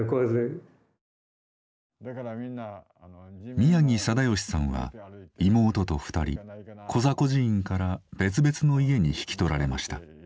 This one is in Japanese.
宮城定吉さんは妹と２人コザ孤児院から別々の家に引き取られました。